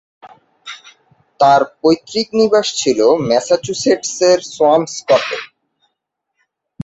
তার পৈতৃক নিবাস ছিল ম্যাসাচুসেটসের সোয়ামস্কটে।